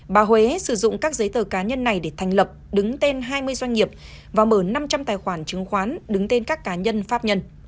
bà huế sử dụng các giấy tờ cá nhân này để thành lập đứng tên hai mươi doanh nghiệp và mở năm trăm linh tài khoản chứng khoán đứng tên các cá nhân pháp nhân